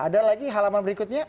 ada lagi halaman berikutnya